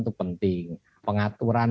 itu penting pengaturan